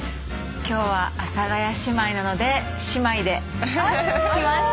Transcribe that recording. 今日は阿佐ヶ谷姉妹なので姉妹で来ました。